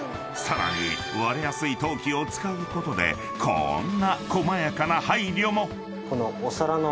［さらに割れやすい陶器を使うことでこーんな細やかな配慮も］